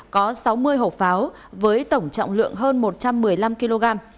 có sáu mươi hộp pháo với tổng trọng lượng hơn một trăm một mươi năm kg